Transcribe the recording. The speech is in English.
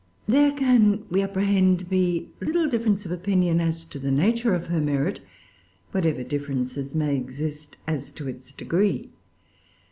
There can, we apprehend, be little difference of opinion as to the nature of her merit, whatever differences may exist as to its degree.